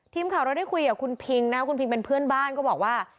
ทิมเคาระได้คุยกับคุณพิงเนี้ยคุณทีเป็นเพื่อนบ้านก็บอกว่า